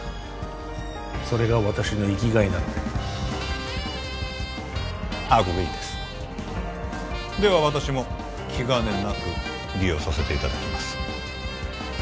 それが私の生きがいなのでアグリーですでは私も気兼ねなく利用させていただきます